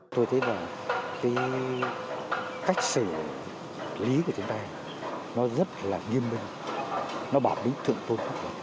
tôi thấy là cái cách xử lý của chúng ta nó rất là nghiêm minh nó bản bí thượng tôn pháp luật